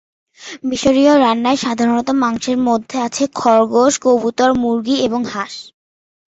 মিশরীয় রান্নায় সাধারণ মাংসের মধ্যে আছে খরগোশ, কবুতর, মুরগি এবং হাঁস।